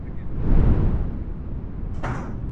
ښځه د اور وژونکي ګاډۍ په څېر ده